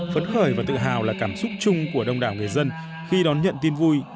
phấn khởi và tự hào là cảm xúc chung của đông đảo người dân khi đón nhận tin vui